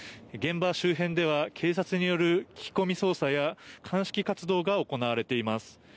現場周辺では警察による聞き込み捜査や鑑識活動が行われています。